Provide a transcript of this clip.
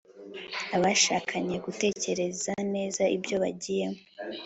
Abashakanye gutekereza neza ibyo bagiyemo